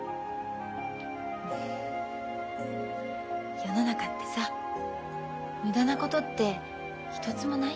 世の中ってさ無駄なことって一つもないんだよね。